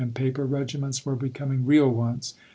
"p.' paper regiments were becoming real ones.